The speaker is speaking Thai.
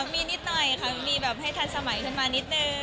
มีนิดหน่อยค่ะมีแบบให้ทันสมัยขึ้นมานิดนึง